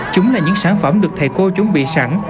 chúng là những sản phẩm được thầy cô chuẩn bị sẵn